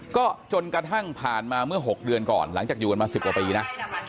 ก็จนกระทั่งผ่านมาเมื่อ๖เดือนก่อนหลังจากอยู่กันมา๑๐กว่าปีนะ